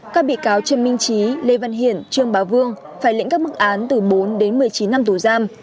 các bị cáo trần minh trí lê văn hiển trương bá vương phải lĩnh các mức án từ bốn đến một mươi chín năm tù giam